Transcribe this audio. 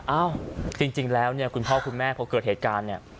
อ้าวจริงแล้วเนี่ยคุณพ่อคุณแม่พอเกิดเหตุการณ์เนี่ย